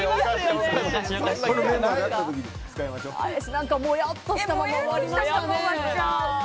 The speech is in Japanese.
何かもやっとしたまま終わりましたね。